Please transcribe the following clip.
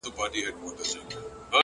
هوښیار انسان له هرې تجربې ګټه اخلي